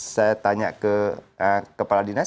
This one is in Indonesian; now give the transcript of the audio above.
saya tanya ke kepala dinas